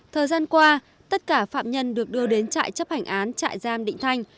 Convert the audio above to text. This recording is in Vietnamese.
thời gian qua tất cả phạm nhân được đưa đến trại chấp hành án trại giam định thanh